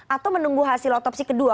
atau menunggu hasil otopsi kedua